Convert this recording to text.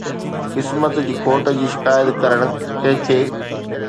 قسمت جي کوٽ جي شڪايت ڪرڻ ڪنهن کي؟